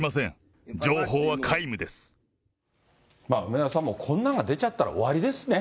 梅沢さん、こんなのがもう出ちゃったら終わりですね。